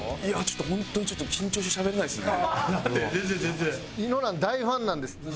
いや本当にちょっと緊張してしゃべれないですね。